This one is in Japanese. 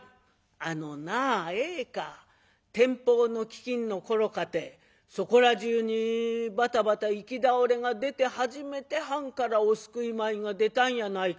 「あのなええか天保の飢饉の頃かてそこらじゅうにバタバタ行き倒れが出て初めて藩からお救い米が出たんやないか」。